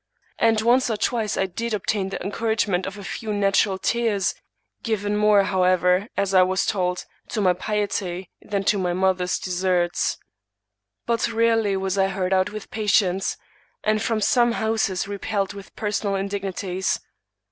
And once or twice I did obtain the encouragement of a few natural tears — given more, however, as I was told, to my piety than to my mother's deserts. But rarely was I heard out with patience ; and from some houses repelled with personal indignities.